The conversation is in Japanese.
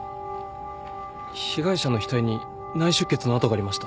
被害者の額に内出血の痕がありました。